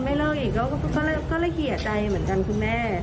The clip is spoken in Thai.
มันอาทิตย์กว่าแล้วก็ยังโดนไม่เลิกอีกก็ละเหยียดใจเหมือนกันคุณแม่